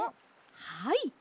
はい。